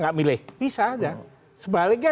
nggak milih bisa aja sebaliknya